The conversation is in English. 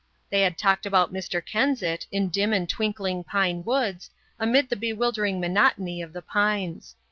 They had talked about Mr. Kensit in dim and twinkling pine woods, amid the bewildering monotony of the pines.